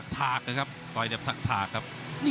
ตอยดับถักถักนะครับ